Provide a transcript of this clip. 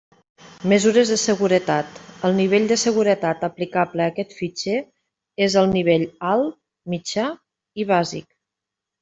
Mesures de seguretat: el nivell de seguretat aplicable a aquest fitxer és el nivell alt, mitjà i bàsic.